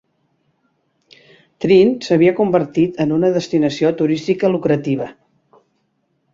Treen s'havia convertit en una destinació turística lucrativa.